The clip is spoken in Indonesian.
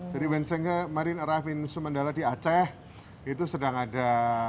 jadi wensenge marine arab in sumandala di aceh itu sedang ada